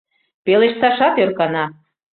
Пелешташат ӧркана.